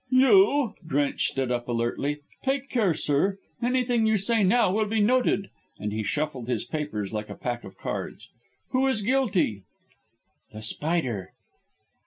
"You!" Drench stood up alertly. "Take care, sir. Anything you say now will be noted," and he shuffled his papers like a pack of cards. "Who is guilty?" "The Spider."